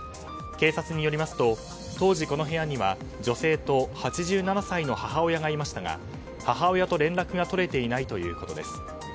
警察によりますと当時、この部屋には女性と８７歳の母親がいましたが母親と連絡が取れていないということです。